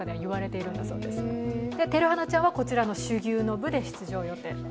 てるはなちゃんはこちらの種牛の部で出場予定です。